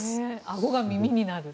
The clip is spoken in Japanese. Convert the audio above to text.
あごが耳になる。